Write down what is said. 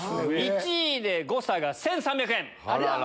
１位で誤差が１３００円。